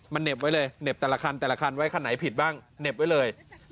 มันเหน็บไว้เลยเหน็บแต่ละคันแต่ละคันไว้คันไหนผิดบ้างเหน็บไว้เลย